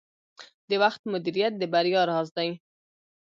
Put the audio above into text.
د وخت مدیریت د بریا راز دی.